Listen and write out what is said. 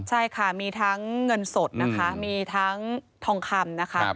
ใช่ค่ะมีทั้งเงินสดนะคะมีทั้งทองคำนะคะ